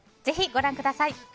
ぜひ、ご覧ください。